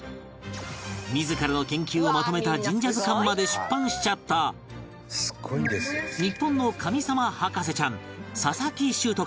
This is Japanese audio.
自らの研究をまとめた『神社図鑑』まで出版しちゃった日本の神様博士ちゃん佐々木秀斗